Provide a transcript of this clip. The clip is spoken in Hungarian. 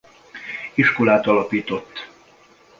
Iskolát alapított.